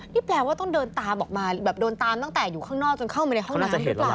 นี่แปลว่าต้องเดินตามออกมาแบบเดินตามตั้งแต่อยู่ข้างนอกจนเข้ามาในห้องน้ำหรือเปล่า